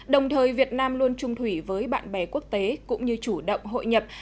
đồng thời việt nam luôn trung thủy với bạn bè quốc tế cũng như chủ động hội nhập